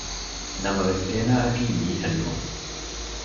ނަމަވެސް އޭނާއަކީ މީހެއް ނޫން